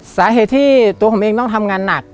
สาเหตุที่ตัวผมเองต้องทำงานหนัก